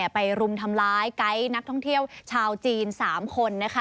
รุมทำร้ายไกด์นักท่องเที่ยวชาวจีน๓คน